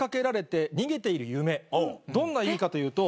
どんな意味かというと。